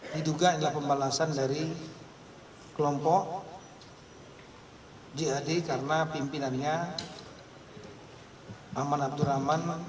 diduga adalah pembalasan dari kelompok jad karena pimpinannya aman abdurrahman